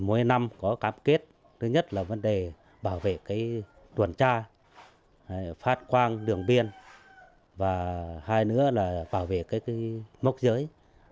mỗi năm có cam kết thứ nhất là vấn đề bảo vệ tuần tra phát quang đường biên và hai nữa là bảo vệ mốc giới